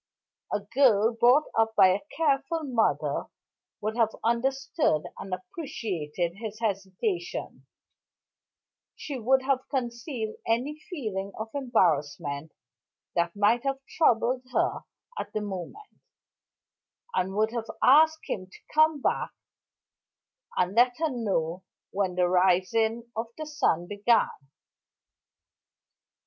A girl brought up by a careful mother would have understood and appreciated his hesitation; she would have concealed any feeling of embarrassment that might have troubled her at the moment, and would have asked him to come back and let her know when the rising of the sun began.